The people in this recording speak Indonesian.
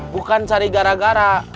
bukan cari gara gara